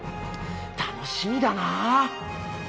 楽しみだな。